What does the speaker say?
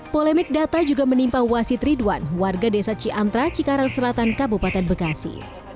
polemik data juga menimpa wasit ridwan warga desa ciamtra cikarang selatan kabupaten bekasi